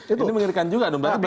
ini mengerikan juga